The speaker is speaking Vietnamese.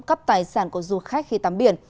cấp tài sản của du khách khi tắm biển